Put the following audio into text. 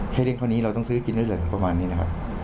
เล่นเท่านี้เราต้องซื้อกินได้เลยประมาณนี้นะครับ